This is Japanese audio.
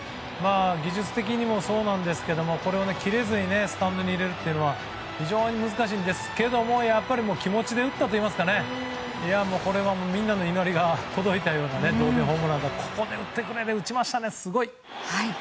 技術的にもそうなんですが切れずにスタンドに入れるのは非常に難しいですがやっぱり気持ちで打ったといいますかこれはみんなの祈りが届いたような同点ホームランをここで打ってくれと思って打ちましたね、すごい。